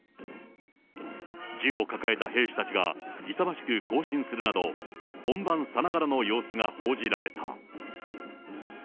銃を抱えた兵士たちが勇ましく行進するなど、本番さながらの様子が報じられた。